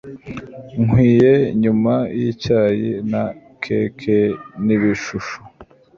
Nkwiye, nyuma yicyayi na keke nibishusho,